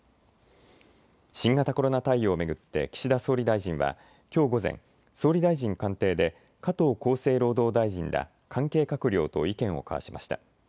新型コロナ対応を巡って岸田総理大臣はきょう午前、総理大臣官邸で加藤厚生労働大臣ら関係閣僚と意見を交わしました。